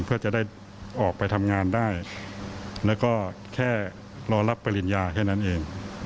เพื่อจะได้ออกไปทำงานได้แล้วก็แค่รอรับปริญญาแค่นั้นเอง